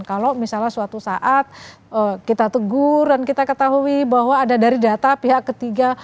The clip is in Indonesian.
kalau misalnya suatu saat kita tegur dan kita ketahui bahwa ada dari data pihak ketiga